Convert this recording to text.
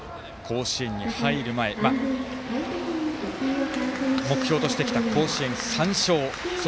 甲子園に入る前目標としてきた甲子園３勝。